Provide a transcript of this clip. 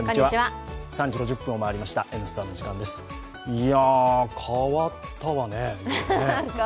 いや変わったわね。